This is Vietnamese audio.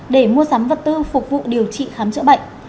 để mua sắm vật tư phục vụ điều trị khám chữa bệnh